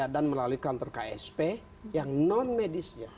dan melalui kantor ksp yang non medisnya